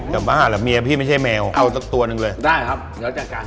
กลับมาหาละเมียพี่ไม่ใช่แมวเอาสักตัวนึงเลยได้ครับเดี๋ยวจัดการ